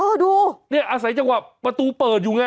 ดูเนี่ยอาศัยจังหวะประตูเปิดอยู่ไง